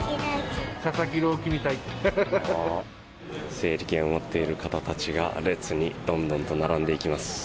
整理券を持っている方たちが列にどんどんと並んでいきます。